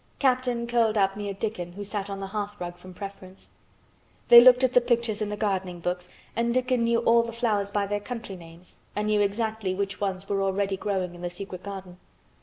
Captain curled up near Dickon, who sat on the hearth rug from preference. They looked at the pictures in the gardening books and Dickon knew all the flowers by their country names and knew exactly which ones were already growing in the secret garden.